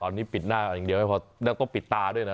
ตอนนี้ปลดหน้าอย่างเดียวนะเพราะต้องปลิดตาเลยนะ